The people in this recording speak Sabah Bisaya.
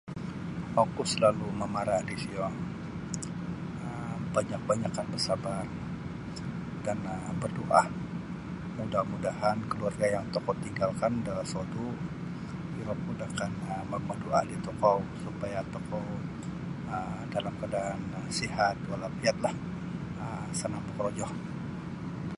Oku salalu mamara disiyo um banyak-banyakkan basabar dan um bardoa mudah-mudahan keluarga yang tokou tinggalkan da sodu iro pun akan mamadoa di tokou supaya tokou dalam sihat dan walafiatlah sanang bokorojo.